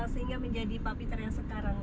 sehingga menjadi pak fitr yang sekarang